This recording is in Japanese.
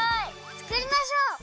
つくりましょう！